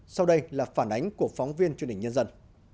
sau đây là phản ánh của phóng viên truyền hình nhân dân